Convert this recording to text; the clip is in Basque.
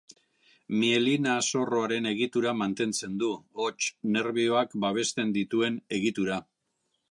Mielina-zorroaren egitura mantentzen du, hots, nerbioak babesten dituen egitura.